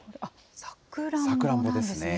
さくらんぼですね。